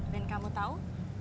dan kamu tau